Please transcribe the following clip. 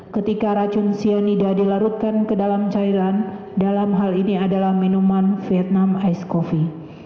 ketika racun cyanida dilarutkan ke dalam cairan dalam hal ini adalah minuman vietnam ice coffee